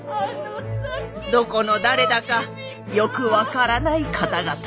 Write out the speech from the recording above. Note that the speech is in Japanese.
どこの誰だかよく分からない方々。